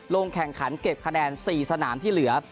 ลงแข่งขันเก็บคะแนน๔สนามที่เหลือ